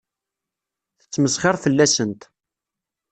Tettmesxiṛ fell-asent.